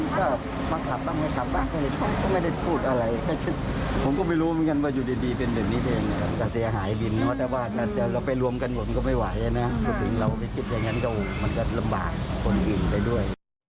ถึงเราไปคิดอย่างนั้นก็มันก็ลำบากคนอื่นได้ด้วย